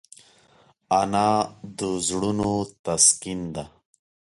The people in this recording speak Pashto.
انا د زړونو تسکین ده